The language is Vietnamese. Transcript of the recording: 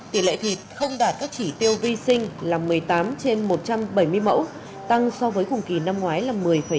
tỷ lệ thịt không đạt các chỉ tiêu vi sinh là một mươi tám trên một trăm bảy mươi mẫu tăng so với cùng kỳ năm ngoái là một mươi một